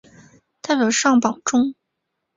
代表上榜中